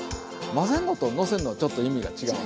混ぜんのとのせんのはちょっと意味が違う。